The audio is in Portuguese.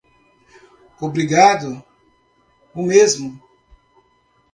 Obrigado, o mesmo.